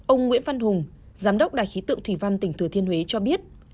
ông nguyễn văn hùng giám đốc đài khí tượng thủy văn tỉnh thừa thiên huế cho biết